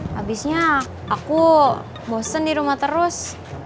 habisnya aku bosen di rumah terus